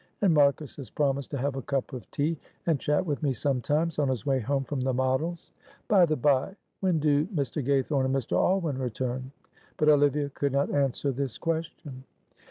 And Marcus has promised to have a cup of tea and chat with me sometimes on his way home from the Models. By the bye, when do Mr. Gaythorne and Mr. Alwyn return?" But Olivia could not answer this question.